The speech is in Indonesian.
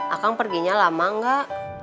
akang perginya lama gak